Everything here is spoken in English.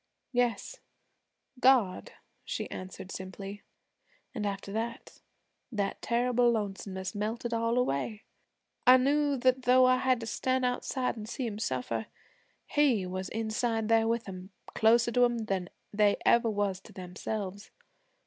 'Yes, God,' she answered simply. 'An' after that, that terrible lonesomeness melted all away. I knew that though I had to stand outside an' see 'em suffer, He was inside there with 'em closer to 'em even than they was to themselves.